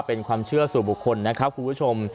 เป็นความเชื่อสู่บุคคลนะครับคุณผู้ชม